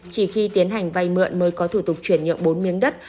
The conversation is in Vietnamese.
chỉ khi tiến hành vay mượn mới có thủ tục chuyển nhượng bốn miếng đất